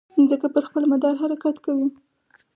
مځکه پر خپل مدار حرکت کوي.